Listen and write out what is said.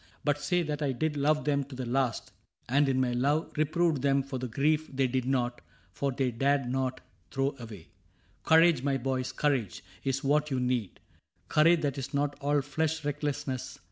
But say that I did love them to the last And in my love reproved them for the grief They did not — for they dared not — throw away. Courage, my boys, — courage, is what you need : Courage that is not all flesh recklessness.